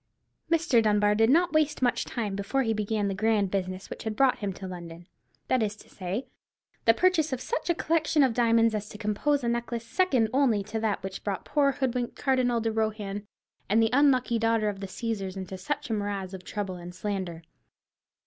Mr. Dunbar did not waste much time before he began the grand business which had brought him to London—that is to say, the purchase of such a collection of diamonds as compose a necklace second only to that which brought poor hoodwinked Cardinal de Rohan and the unlucky daughter of the Caesars into such a morass of trouble and slander.